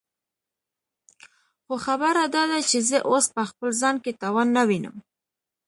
خو خبره داده چې زه اوس په خپل ځان کې توان نه وينم.